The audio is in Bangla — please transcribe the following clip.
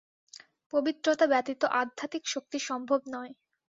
পবিত্রতা ব্যতীত আধ্যাত্মিক শক্তি সম্ভব নয়।